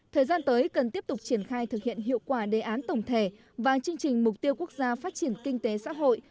thời gian tới cần tiếp tục triển khai thực hiện hiệu quả đề án tổng thể và chương trình mục tiêu quốc gia phát triển kinh tế xã hội